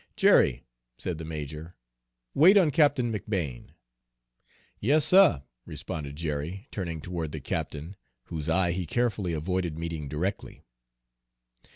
"Jerry," said the major, "wait on Captain McBane." "Yas, suh," responded Jerry, turning toward the captain, whose eye he carefully avoided meeting directly.